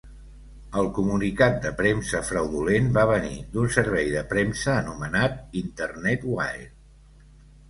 El comunicat de premsa fraudulent va venir d'un servei de premsa anomenat Internet Wire.